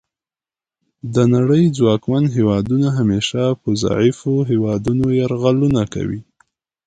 د نړۍ ځواکمن هیوادونه همیشه په ضعیفو هیوادونو یرغلونه کوي